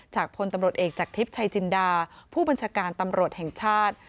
พลตำรวจเอกจากทิพย์ชัยจินดาผู้บัญชาการตำรวจแห่งชาติ